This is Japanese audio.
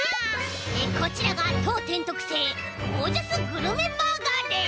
こちらがとうてんとくせいゴージャスグルメバーガーです！